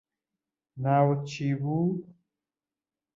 ناوت چی بوو